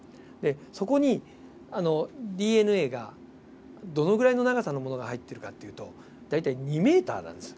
そこにＤＮＡがどのぐらいの長さのものが入ってるかっていうと大体２ｍなんですよ。